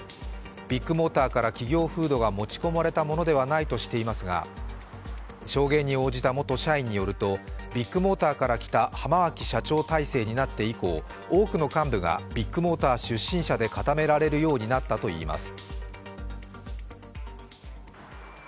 ビッグモーターから企業風土が持ち込まれたものではないとしていますが証言に応じた元社員によると、ビッグモーターから来た浜脇社長体制になって以降、多くの幹部がビッグモーター出身者で固められるようになったといいます。